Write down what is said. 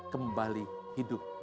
kembali hidup lagi